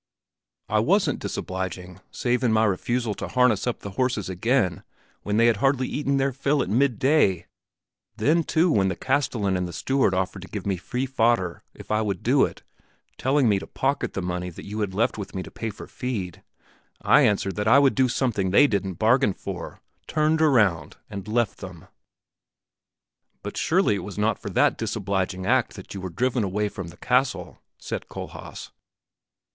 "I wasn't disobliging save in my refusal to harness up the horses again when they had hardly eaten their fill at midday; then too, when the castellan and the steward offered to give me free fodder if I would do it, telling me to pocket the money that you had left with me to pay for feed, I answered that I would do something they didn't bargain for, turned around, and left them!" "But surely it was not for that disobliging act that you were driven away from the castle," said Kohlhaas.